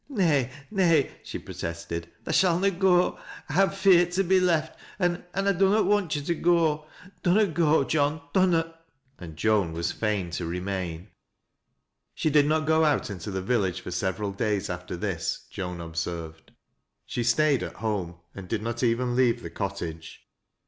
" tfay — nay," she protested. " Tha shall na go. I'm ieart to be left — an' — an' I dunnot want yo' to go. Dud uct go, Joan, dunnot." And Joan was fain to remain. She did not go out into the village for several daya after this, Joan observed. She stayed at home and did not even leave the cottage.